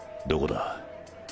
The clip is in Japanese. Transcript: どこだ？